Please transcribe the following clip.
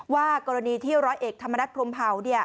ว่ากรณีที่ร้อยเอกธรรมนัฐพรมเผา